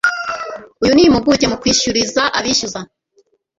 uyu ni impuguke mu kwishyuriza abishyuza